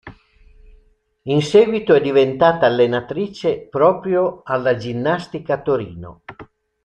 In seguito è diventata allenatrice, proprio alla Ginnastica Torino.